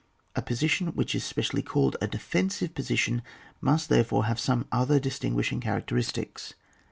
A position which is specially called a defen 9i€e position must therefore have some other distinguishing characteristics.